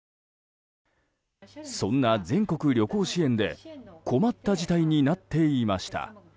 そんな全国旅行支援で困った事態になっていました。